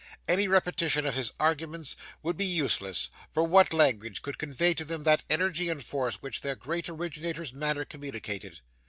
Any repetition of his arguments would be useless; for what language could convey to them that energy and force which their great originator's manner communicated?